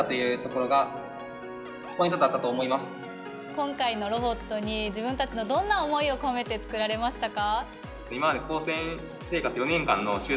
今回のロボットに自分たちのどんな思いを込めて作られましたか？